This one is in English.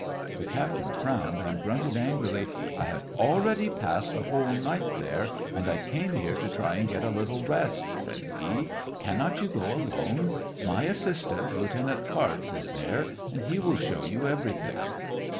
The captain frowned, and grunted angrily: —" I have already passed the whole night there, and I came here to try and get a little rest," said he. " Cannot you go alone ? My assistant. Lieutenant Kartz, is there, and he will show you everything."